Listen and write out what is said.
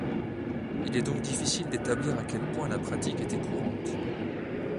Il est donc difficile d'établir à quel point la pratique était courante.